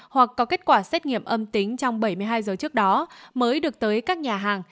hoặc có kết quả xét nghiệm âm tính trong bảy mươi hai giờ trước đó mới được tới các nhà hàng